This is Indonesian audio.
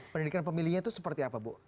pendidikan pemilihnya itu seperti apa bu